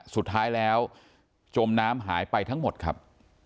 สุดท้ายแล้วจมน้ำหายไปทั้งหมดครับ